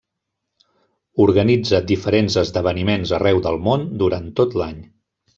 Organitza diferents esdeveniments arreu del món durant tot l'any.